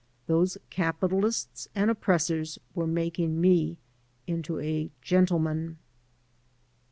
Those capitalists and oppressors were making me into a gentleman.